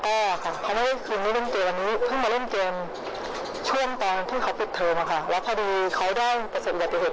พี่เหมือนทุกคนในเกมหนึ่งมีเป็นบ้านเลยนะครับ